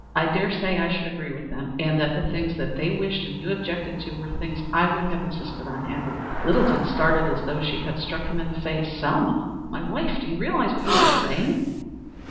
I dare say I should agree with them, and that the things which they wished and you objected to were things I would have insisted on having." Littleton started as though she had struck him in the face. "Selma! My wife! Do you realize what you are saying?"